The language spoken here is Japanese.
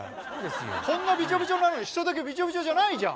こんなびちょびちょなのに一人だけびちょびちょじゃないじゃん。